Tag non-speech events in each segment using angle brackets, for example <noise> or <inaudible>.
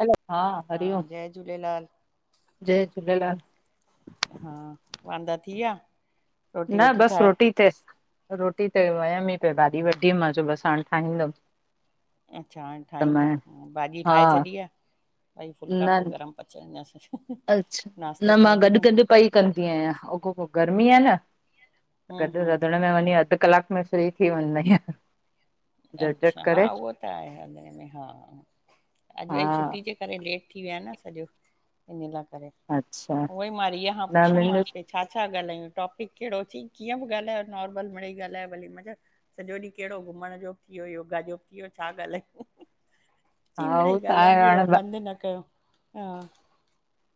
हलो हा हरिओम जय झूलेलाल जय झूलेलाल। हा वांदा थी विया रोटी न वोटी बस ठाहे रोटी के रोटी त वयमि ई त भाॼी वढी मां चयम बस हाणे ठाहींदम अच्छा हाणे ठाहींदा हं भाॼी हा ठाहे छॾी आ भई फुल्का न पो गरम पचाईंदासीं अच्छा, नाश्तो न मां ठाहे गॾु ॾिनो गॾु पई कंदी आयां अगोपो गर्मी आ न हम्म गॾु रधिणे में हम्म वञी अधु कलाक में फ्री थी वञदा आयां अच्छा हा उहो त आए हले हले हा अॼ हा वरी छुटी जे करे लेट थी विया न सॼो इन लाइ करे अच्छा उहो ई मां रीआ खां न पुछम मुंहिंजो मांस भई छा छा ॻाल्हायूं टॉपिक केड़ो अची कीअं बि ॻाल्हायो नॉर्मल मड़ेई ॻाल्हायो भली मा चो सॼो ॾींहं केड़ो घुमण जो यो यो गा जो बियो छा ॻाल्हायू चईं हा उहो मड़ेई त आहे ॻाल्हाईंदियूं हाणे रहो बंद न कयो हा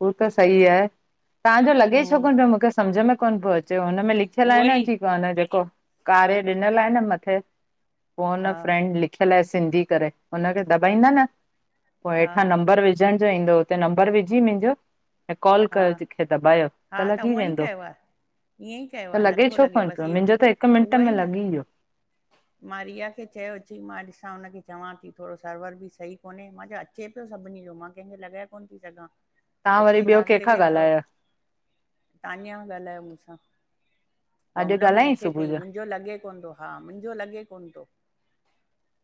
हू त सही हम्म आए तांजो लॻे छो कोन पियो मूंखे सम्झ में कोन पियो अ चयो हुनमें लिखियल आए उहो न ई की कोन जेको कार्य ॾिनल आहे न मथे फोन अ हा फ्रैंड लिखियल आए सिंधी करे हुनखे दॿाईंदा न पोइ हा हेठां नंबर विझण जो ईंदो हुते नंबर विझी मुंजो ऐं कॉल हा कयो जेंखे दॿायो हा त लॻी उअं ई वेंदो कयो आहे ईअं ई कयो त आहे लॻे नथो छो कोन पियो बसि इहो मुंजो त हिकु उहो मिंट में ई न लॻी वियो मां रिया खे चयो अची मां ॾिसां हुनखे चवां थी थोरो सर्वर बि सही कोने मां चयो अचे पियो सभिनी जो मां कंखे लॻाए कोन थी सघां तां वरी ॿियो केंखा ॻाल्हायो तानिया ॻाल्हायो मूंसां भाऊ अॼु हुन पो ॻाल्हायईं मूुखे सुबुह कईं जो मुंजो लॻे कोन तो हा मुंजो लॻे कोन तो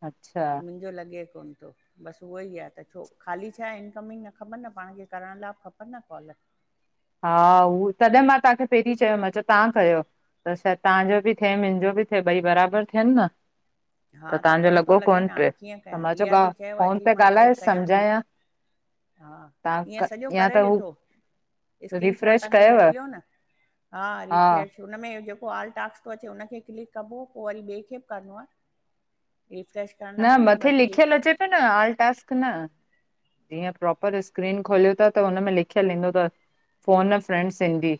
अच्छा मुंजो लॻे कोन थो बस उहो ई आहे त छो ख़ाली छा इनकमिंग न खपन न पाण खे करण लाइ खपे पन कॉाल हा हू तॾें मां तांखे पेंरीं चयो मां चयो तां कयो त छा आए तांजो बि थे मुंजो बि थे भई बराबर थियनि न हा त तव्हांजो कोन थो लॻो लॻे न पियो हाणे कीअं त कयां मां रिया ॻा खे चयो आए अची मां चेक कयां थी। हा तां क या त हू स्क्रीन शॉट रिफ्रेश तव्हांखे कयव मोकिलियो न हा रीफ्रेश हुन में हे जेको आल टास्क तो अचे हुन खे क्लिक कबो पो वरी बे खे बि करणो आ न मथे क्लिक लिखियल अचे पए न आल टास्क न जीअं प्रोपर स्क्रीन खोलियो ता त हुन में लिखियल ईंदो तव फोन अ फ्रेंड सिंधी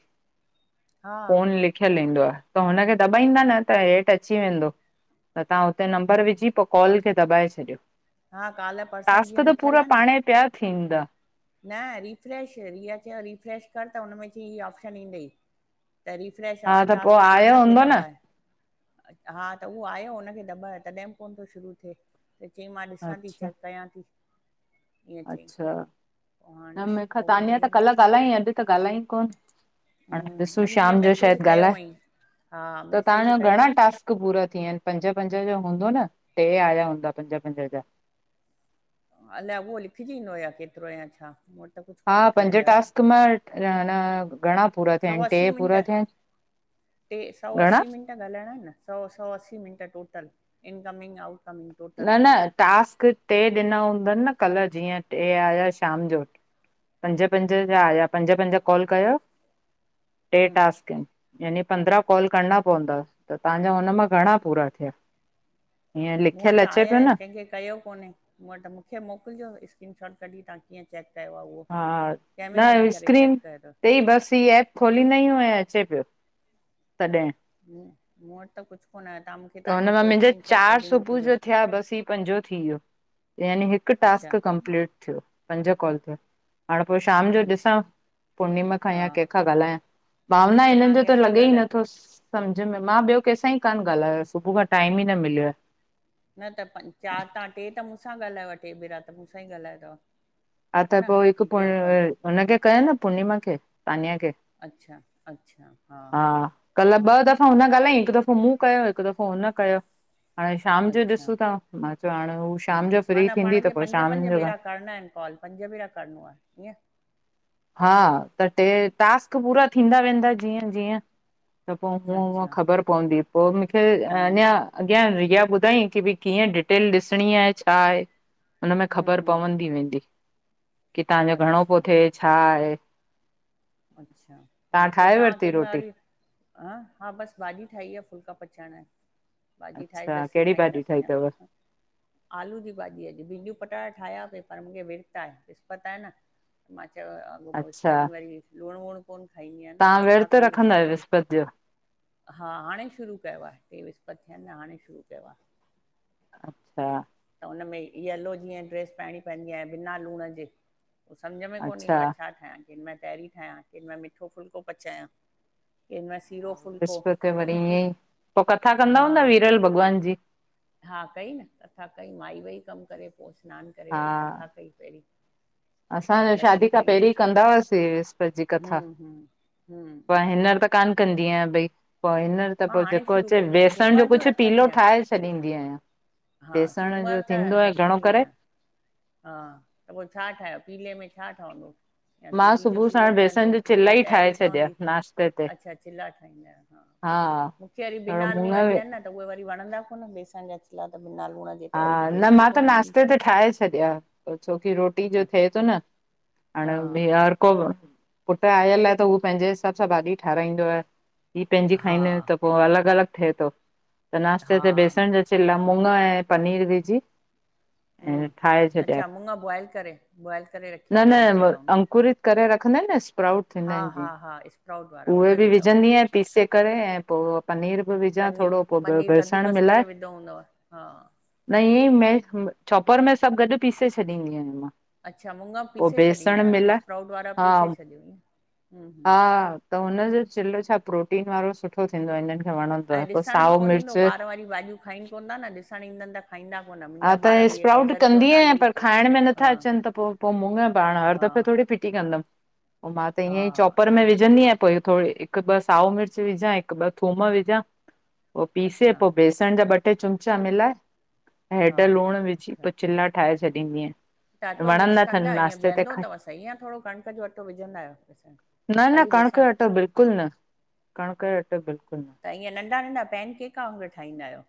हा फोन लिखियल ईंदो आ त हुनखे दॿाईंदा न त हेठ अची वेंदो त तहां हुते नंबर विझी पो कॉल खे दॿाए छॾियो हा काल पर्सन जीअं लिखियल आए न न थींदा। न रिफ्रेश, रिया चयो रिफ्रेश कर त हुन में चयईं ही ऑप्शन ईंदई त रिफ्रेश हा ऑल त पोइ टास्क चईं आयो हुनखे हूंदो न दॿाए। हा त उहो आयो हुनखे दॿायो तॾें ब कोन थो शुरू थे। त चईं मां ॾिसां थी अच्छा चेक कयां ती। अच्छा पोइ हाणे न ॾिसूं मूंखां पोइ तानिया त ॿुधाईंदी कल्ह ॻाल्हाईं अॼ त ॻाल्हाईं कोन हूं हाणे ॾिसूं अॼ मुखे शाम जो मैसेज शायदि कयो ॻाल्हाए हुअईं हा त तहांजा मैसेज कयो घणा हुअईं टास्क पूरा थी विया आइनि पंज पंज कयो हूंदो न टे आया हूंदा पंज पंज जा अलाए उहो लिखजी इनो या केतिरो या छा त कुझु हा कोन पंज लिखिजी आयो टास्क मां घणा पूरा थिया सौ आहिन? टे असी मिंट पूरा थिया आहिन? टे सौ असीं मिंट ॻाल्हाइणा आहिन न सौ सौ असीं मिंट टोटल इनकमिंग आउट न न टास्क टे ॾिनऊं न न कल्ह जीअं टे आया शाम जो पंज पंज जा आया पंज पंज कॉल कयो टे हम्म टास्क यानि पंद्रा काॅल करणा पंवदा त तंव्हाजा हुन मां घणा पूरा थिया? हीअं मूं लिखियल वटि अचे आया पियो आहिन न केंखे कयो कोन्हे मूं वटि मुखे मोकिलिजो स्क्रीन शॉट। कॾीं तवां कीअं चैक हा न स्क्रीन चेक कयो अथव ते ई बस ही ऐप खोलींदायूं ऐं अ पियो तॾें। मूं मूं वटि त कुछ त हुनमां मिंजे चार सुबुह मोकिलिजो जो थिया बस ही पंजो थी वियो। यानी हिकु अच्छा टास्क कंप्लीट थियो पंज कॉल थिया। हाणे पो शाम जो अच्छा ॾिसां पुर्णिमा खां हा या केंखां ॻाल्हायां। भावना हिननि तव्हां जो त कंहिंसां लॻे ई ॻाल्हायो नथोस। सम्झ में मां ॿियो कंहिंसां ई कान ॻाल्हायो सुबुह खां टाइम ई न मिलियो आए। न त पं चारि तां टे त मूं सां ॻाल्हायो टे भेरा त मूं सां ई ॻाल्हायो थव। हा त पो हिकु पुण हुनखे कयो न पुर्णिमा खे सानिया खे? हा कल्ह हा ॿ दफ़ा हुन ॻाल्हाईं हिकु दफ़ो मूं कयो हिकु दफ़ो हुन कयो। हाणे शाम जो अच्छा ॾिसूं था मां चयो हाणे हू शाम हम्म, जो फ्री थींदी त पोइ शाम जो न कॉल पंज भरा करिणो आहे ईअं? हा त टे टास्क पूरा थींदा वेंदा जीअं जीअं। त पो उअं ईअं हूअं अच्छा ख़बर पवंदी पो मुखे हम्म, अञा अॻियां रिया ॿु धाईं की भई कीअं डिटेल ॾिसणी आहे छा आहे हुनमें हम्म, ख़बर हम्म, पवंदी वेंदी। की तांजो घणो अच्छा, पो थिए छा आहे? अच्छा हा तव्हां पो ठाहे तव्हां वरिती केॾी रोटी महिल ह हा बसि भाॼी ठाही आ फुल्का पच अचण भाॼी ठाहे अच्छा लस्सी कहिड़ी भाॼी ठाहींदासि ठाही अञा अथव हा ह आलू जी भाॼी अॼ भींंडियूं पटाटा ठाहिया ते। पर मुखे विर्तु आहे। विस्पति आहे न, मां चयो अॻोपो अच्छा विस्मित ॾींहुं वरी लुणु वूणु कोन खाईंदी आहिंया न तव्हां कथा विर्त कई रखंदा विस्पति आहियो जी जो हा हाणे शुरू कयो आहे टे विसपति ॿ थिया आहिन हाणे शुरू कयो आ। अच्छा। हुनमें यलो जीअं ड्रेस पाइणी पईंदी आ बिना लूण जे। समझ में कोन ईंदो अच्छा आहे छा ठाहियां किन में तैहरी ठाहियां किन में मिठो फुल्को पचायां कंहिं महिल सीरो हा फुल्को विस्पत ते वरी मिठी ईअं ई पो कथा कंदा हा हूंदा विरल भॻवान जी? हा कई न कथा कई माई वेई कमु करे पो सनानु करे वरी कथा कई पहिरीं। असांजा हाणे लस्सी शादी खां पैरीं ठाहींदसि कंदा हुआसीं विस्पति जी कथा हम्म हम्म हम्म पर हिंनर त कान कंदी जीअं भई पो आए न मां सभ हाणे जेको शुरू अचे कई आहे बेसण सूमर जो कुछ पीलो रखंदी आहियां ठाहे छॾींदी आहियां। हा बेसण जो सूमरु त थींदो आहे घणो रखंदी करे आयां हा त पोइ छा ठायो। पीले में छा ठहंदो? या मां सूजी जो सुबुह सीरो साण ठहंदो बेसण जी चिल्ला या ई ठाहे तैहरी छॾिया ठहंदी नाश्ते ते अच्छा चिला ठाहींदा आयो हा। मुखे वरी थोरो बिना मुङ नूण जे हा आहिनि न त उहे वरी वणंदा कोन बेसण जा चिल्ला त बिना लूण जे त हा वरी न टेस्ट ई मा त कोन ईंदी नाश्ते ते ठाहे छॾिया ओ छो की रोटी जो थे अच्छा थो न हा हाणे भ हर को पुटु आयल आहे त हू पंहिंजे हिसाब सां भाॼी ठाराईंदो आहे। हीअ पंहिंजी हा खाईंदा आहियूं त पो अलॻि अलॻि थिए थो त नाश्ते हा ते बेसण जा चिल्ला मुङ ऐं पनीर विझी हूं ऐं ठाहे छॾिया अच्छा मुङ बॉयल करे बॉयल करे न रखिया न हूंदव उहे म- विधा हूंदा न। अंकुरित करे रखंदा आहिन न स्प्राउड थींदा आहिन जिअं स्प्राउट वारा उहे बि विधव विझंदी आयां पीसे करे ऐं पो पनीर बि विझां पनी थोरो पो ब पनीर बेसण कद्दूकस मिलाए करे विधो हूंदव हा नई म चॉपर में सभु गॾु पीसे छॾींदी आयां मां। अच्छा मुङ पोइ पीसे बेसण छॾींदा आहियो मिलाए स्प्राउट वारा हा पीसे छॾियो इअं। हा त हुनजो चिल्लो छा प्रोटीन वारो सुठो थींदो हिननि खे वणंदो ऐं आहे पोइ ॾिसण बि साओ कोन ईंदो मिर्च ॿार वारी भाॼियूं खाइनि कोन था न ॾिसणु ईंदन। हा त स्प्राउट क्यों कंदी आहियां डाली पर खाइण में हा नथा अचनि त पो पो मुङ पाण हर हा दफ़े थोड़ी फिटी कंदमि। पो मां त हा ईअं ई चॉपर में सही आहे। विझंदी आहियां पो ई थोड़ी हिकु ॿ साओ मिर्च विझां हिकु ॿ थूम विझां पो पीसे अच्छा पो बेसण जा ॿट टे चुमिचा मिलाए हा हैड लूणु विझी अच्छा। पो चिल्ल ठाहे छॾींदी यां। त अटो मिक्स कंदा इअं बीहंदो तव सई ईअं थोरो कणिक जो अटो विझंदा आयो। न न कणिक यो अटो बिल्कुलु न कणिक जो अटो बिल्कुलु न। त ईअं नंढा नंढा पैन केका वांगुरु ठाहींदा आहियो?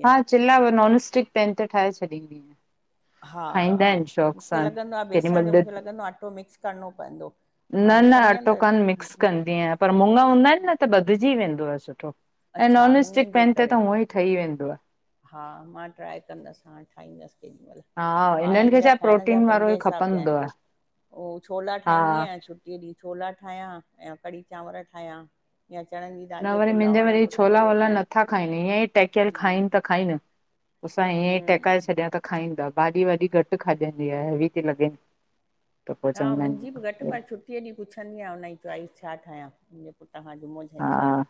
ईअं हा चिला नॉनस्टिक पेन ते ठाहे छॾींदी। हा हा खाईंदा आहिनि शौक़ मुखे सां। लॻंदो आ केॾी बेसण जो महिल ॾ मुखे लॻंदो आ अट्टो मिक्स करिणो पएंदो। न न अट्टो कान मिक्स कंदी आयां पर मुङ हूंदा आइनि न त बधजी वेंदा ठवंदो आ सुठो ऐं अच्छा नॉन मुङनि स्टिक जे पेन ते करे त हूअं ई ठही वेंदो आ। हा मां ट्राए कंदस हाणे ठाहींदसि। केॾीमहिल हा ॿार हिननि खे मुंहिंजा छा प्रोटीन वारो ई खपंदो आ। ओ छोला ठाहींदी आहियां छुटीअ ॾींहं छोला ठाहियां ऐं कढ़ी चांवर ठाहियां। या चणनि जी न दाल जो वरी पुलाव मिंजा वरी वणंदो अथनि छोला उहो वोला ठाहियां नथा खाइनि ईअं ई टहिकियल हम्म खाइन त खाइन। असां ईअं ही टेहिकाए हम्म छॾियां त खाईंदा। भाॾी वाॾी घटि खाइजंदी आए, हैवी थी लॻे। हा मुंजी बि घटि पर छुटीअ ॾींहुं पुछंदी आयां हुनजी चॉइस छा ठाहियां? तव्हां जुमो छंछरु हा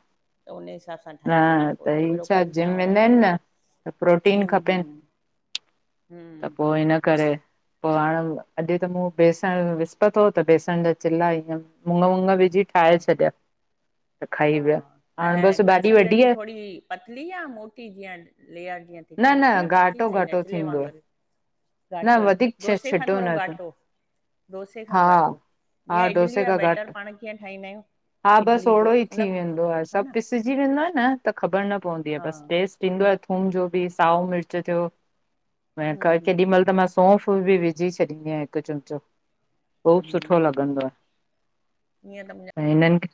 त उन हिसाब सां। न ठाहींदी आहियां पोइ त हिकु ही भेरो छाए कढ़ी जिम चांवर वेंदा आहिन न त प्रोटीन हम्म खपेन। हम्म त हम्म पोइ हिन करे पो हाणे अॾ त मूं बेस सण विसपति हो त बेसण जा चिल्हा ईअं मुङ वुङ विझी ठाहे हा छॾिया। त खाई विया हाणे बसि भाॼी कंसनटेंट वॾी जी आहे थोड़ी पतली या मोटी जीअं लेयर कीअं न न मोटी या पतली घाटो ठाहींदा आयो घाटो चिले थींदो वांगरु? न घाटो ई वधीक डोसे खां छिॾो थोड़ो न घाटो। डोसे खां हा घाटो जीअं हा इडली डोसे जो खां घाटो बैटर पाण कीअं ठाहींदा आहियूं? हा बसि इडली ओड़ो जो। ई उन थी वेंदो आए। हा सभु न पिसिजी वेंदो आ न त ख़बर न पवंदी आहे हा बसि हम्म टेस्ट ईंदो आ थूम जो। बि साओ मिर्च थियो क हम्म केॾी हम्म। महिल त मां सोफ़ बि विझ विझी छॾींदी आहियां हिकु चिमिचो। ख़ूब सुठो लॻंदो ईअं त मुंहिंजा आए ऐं हिननि खे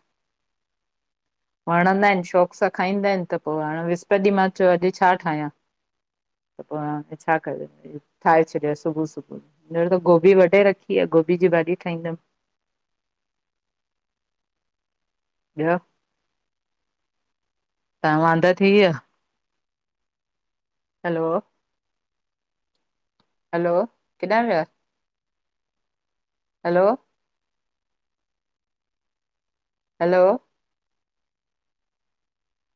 वणंदा आहिन, शौक़ सां खाईंदा आहिन त पो हाण विस्पत ॾींहं मां चयो अॼु छा ठाहियां? <inaudible> पोइ हाण छा कजे, ठाहे छॾियो सुबु सुबु, ॼणु त गोभी वढे रखी आ। गोभी हीअ भाॼी ठाईंदम। ॿियो? तां वांदा थी वियव? हलो। हलो केंॾा विया? हलो! हलो!